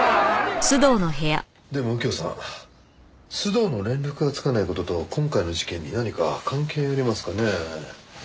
でも右京さん須藤の連絡がつかない事と今回の事件に何か関係ありますかね？